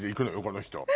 この人。